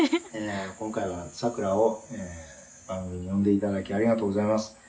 「今回は咲楽を番組に呼んでいただきありがとうございます」